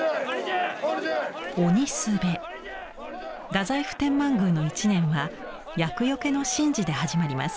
太宰府天満宮の一年は厄よけの神事で始まります。